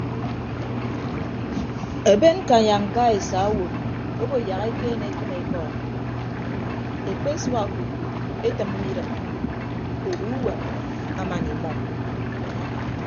Eben ñkanya ñka esa owo obo yak ekeene ekịm ekọọñ ekpesua okuku etịmme idịm odu uwom aman imọ.